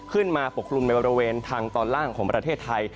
ปกคลุมในบริเวณทางตอนล่างของประเทศไทย